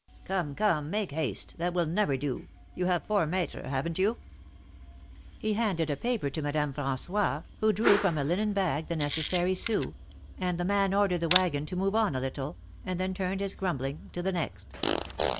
" Come, come — make haste ! that will never do. You have four metres, haven't you ?" He handed a paper to Madame Fran9ois, who drew from a linen bag the necessary sous, and the man ordered 28 THE MAEKETS OP PAEIS. the wagon to move on a little, and then turned his grum bling to the next.